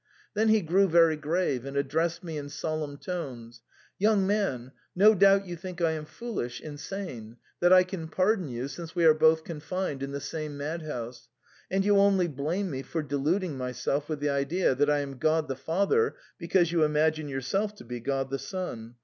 Then he grew very grave, and addressed me in solemn tones. ^' Young man, no doubt you think I am foolish, insane ; that I can pardon you, since we are both confined in the same madhouse ; and you only blame me for deluding myself with the idea that I am God the Father because you imagine yourself to be God the Son.